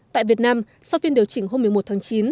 tại việt nam sau phiên điều chỉnh hôm một mươi một tháng chín